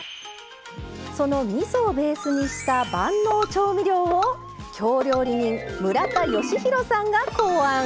そのみそをベースにした万能調味料を京料理人村田吉弘さんが考案。